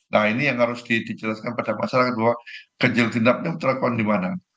nah ini yang harus dijelaskan pada masyarakat bahwa ganjil genap itu terekam di mana